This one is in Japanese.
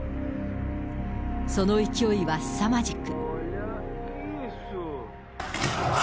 その勢いはすさまじく。